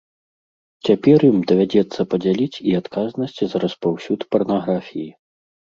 Цяпер ім давядзецца падзяліць і адказнасць за распаўсюд парнаграфіі.